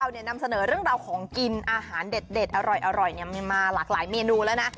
นำเสนอเรื่องราวของกินอาหารเด็ดอร่อยมีมาหลากหลายเมนูแล้วนะ